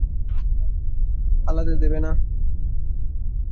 পালাতে দেবে না।